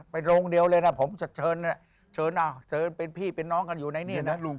ไปโรงเดียวเลยนะครับฉันเชิญอยู่ในนี้